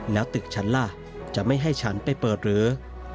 แล้วตึกฉันล่ะจะไม่ให้ฉันไปเปิดหรือ